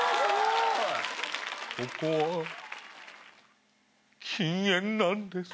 ここは禁煙なんです。